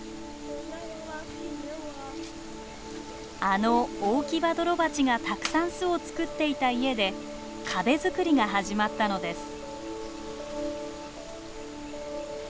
あのオオキバドロバチがたくさん巣を作っていた家で壁作りが始まったのです。